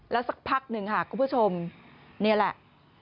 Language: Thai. แล้วสักพักนึงครับคุณผู้ชมนี่แหละ